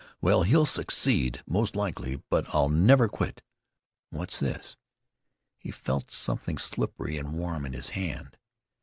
Well, he'll succeed, most likely, but I'll never quit. What's this?" He felt something slippery and warm on his hand.